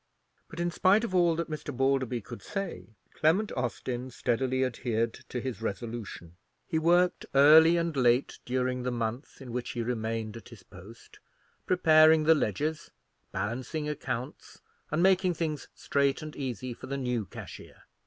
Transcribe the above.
But, in spite of all that Mr. Balderby could say, Clement Austin steadily adhered to his resolution. He worked early and late during the month in which he remained at his post, preparing the ledgers, balancing accounts, and making things straight and easy for the new cashier.